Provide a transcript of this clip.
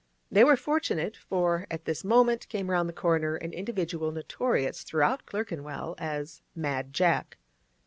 They were fortunate, for at this moment came round the corner an individual notorious throughout Clerkenwell as 'Mad Jack.